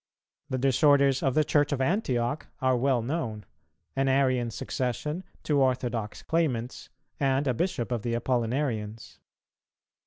The disorders of the Church of Antioch are well known: an Arian succession, two orthodox claimants, and a bishop of the Apollinarians.